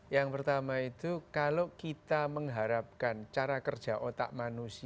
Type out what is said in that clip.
yang pertama itu kalau kita mengharapkan cara kerja otak manusia